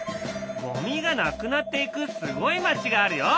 ゴミがなくなっていくすごい町があるよ。